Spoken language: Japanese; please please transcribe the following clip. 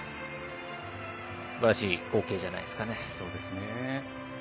すばらしい光景じゃないですかね。